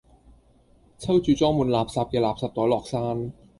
抽住裝滿垃圾嘅垃圾袋落山